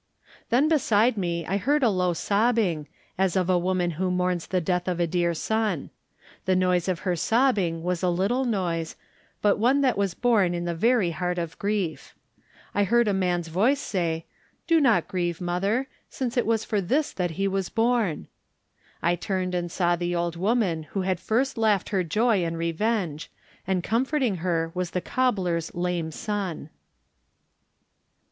Then beside me I heard a low sobbing, as of a woman who mourns the death of a dear son. The noise of her sobbing was a little noise, but one that was born in the very 79 Digitized by Google THE NINTH MAN heart of grief. I heard a man's voice say, "Do not grieve, mother, since it was for this that he was bom." I turned and saw the old woman who had first laughed her joy and revenge, and comforting her was the cobbler's lame son.